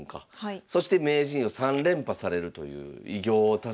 そして名人を３連覇されるという偉業を達成されてますから。